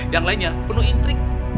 yang lainnya penuh intrik